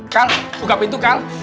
kal buka pintu kal